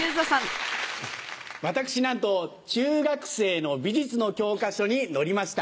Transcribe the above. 私なんと中学生の美術の教科書に載りました。